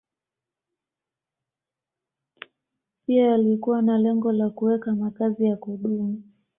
Pia walikuwa na lengo la kuweka makazi ya kudumu